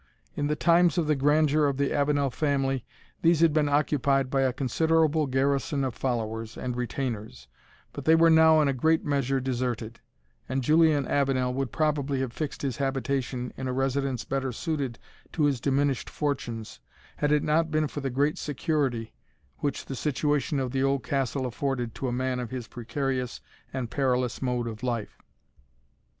In the times of the grandeur of the Avenel family, these had been occupied by a considerable garrison of followers and retainers, but they were now in a great measure deserted; and Julian Avenel would probably have fixed his habitation in a residence better suited to his diminished fortunes, had it not been for the great security which the situation of the old castle afforded to a man of his precarious and perilous mode of life.